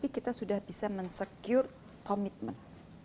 kita sudah bisa mensecure komitmen